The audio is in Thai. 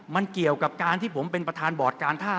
มันเกี่ยวกับการที่ผมเป็นประธานบอร์ดการท่า